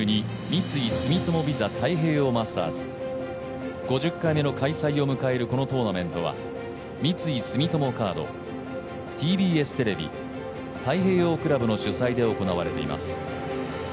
三井住友ＶＩＳＡ太平洋マスターズ５０回目の開催を迎えるこのトーナメントは三井住友カードＴＢＳテレビ、太平洋クラブの主催で行われています。